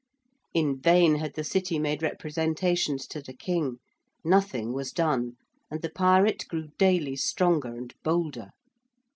In vain had the City made representations to the King. Nothing was done, and the pirate grew daily stronger and bolder.